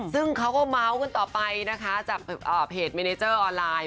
ซึ่งเขาก็เมาส์กันต่อไปนะคะจากเพจเมเนเจอร์ออนไลน์